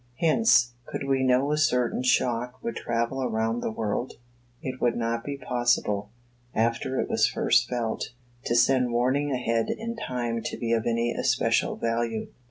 Hence, could we know a certain shock would travel around the world, it would not be possible, after it was first felt, to send warning ahead in time to be of any especial value.